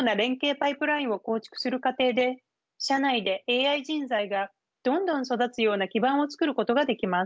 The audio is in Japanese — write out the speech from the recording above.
パイプラインを構築する過程で社内でＡＩ人材がどんどん育つような基盤を作ることができます。